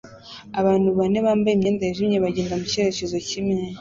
Abantu bane bambaye imyenda yijimye bagenda mucyerekezo kimwe